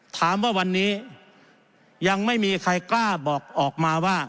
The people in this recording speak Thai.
ถามว่าวันนี้ยังไม่มีใครกล้าบอกออกมาว่า